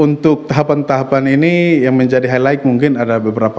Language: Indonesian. untuk tahapan tahapan ini yang menjadi highlight mungkin ada beberapa